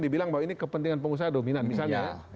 dibilang bahwa ini kepentingan pengusaha dominan misalnya